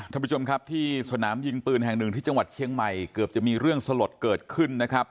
ท่านผู้ชมครับที่สนามยิงปืนแห่งหนึ่งที่จังหวัดเชียงใหม่เกือบจะมีเรื่องสลดเกิดขึ้นนะครับ